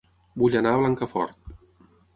Vull anar a Blancafort